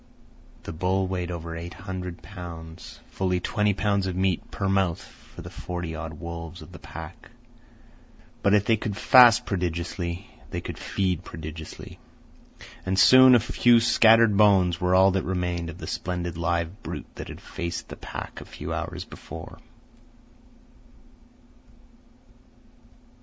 The bull weighed over eight hundred pounds—fully twenty pounds of meat per mouth for the forty odd wolves of the pack. But if they could fast prodigiously, they could feed prodigiously, and soon a few scattered bones were all that remained of the splendid live brute that had faced the pack a few hours before.